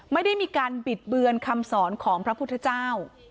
ไม่ได้มีการบิดเบือนคำสอนของพระพุทธเจ้า